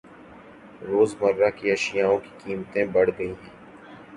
روز مرہ کے اشیاوں کی قیمتیں بڑھ گئ ہے۔